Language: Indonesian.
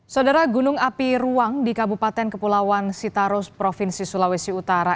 saudara gunung api ruang di kabupaten kepulauan sitarus provinsi sulawesi utara